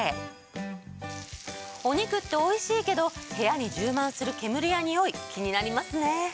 お肉っておいしいけど部屋に充満する煙やにおい気になりますね。